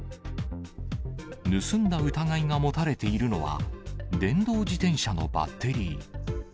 盗んだ疑いが持たれているのは、電動自転車のバッテリー。